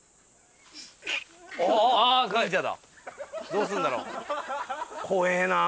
どうするんだろう？